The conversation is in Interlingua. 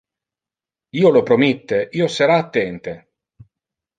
Io lo promitte, io sera attente!